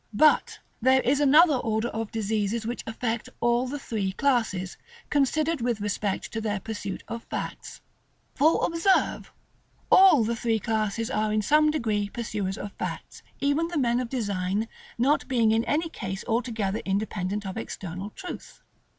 But there is another order of diseases which affect all the three classes, considered with respect to their pursuit of facts. For observe, all the three classes are in some degree pursuers of facts; even the men of design not being in any case altogether independent of external truth.